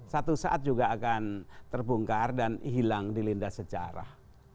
satu saat juga akan terbongkar dan hilang di linda sejarah